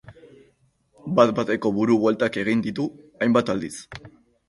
Bat-bateko buru bueltak egin ditu hainbat aldiz.